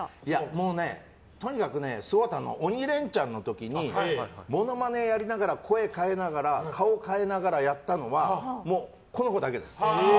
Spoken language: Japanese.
もうね、とにかく「鬼レンチャン」の時にモノマネやりながら声変えながら顔を変えながらやったのはこの子だけです。